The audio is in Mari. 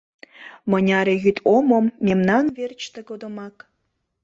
Мыняре йӱд омым мемнан верч тыгодымак